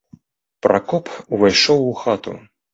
Пракоп увайшоў у хату.